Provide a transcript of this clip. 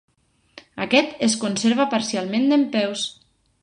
Aquest es conserva parcialment dempeus.